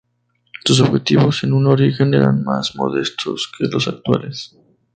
Sus objetivos en un origen eran más modestos que los actuales.